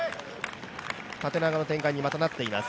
縦長の展開にまたなっています。